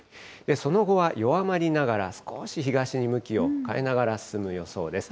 その後は弱まりながら、少し東に向きを変えながら進む予想です。